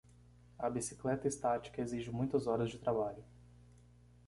A bicicleta estática exige muitas horas de trabalho.